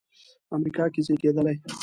امریکا کې زېږېدلی.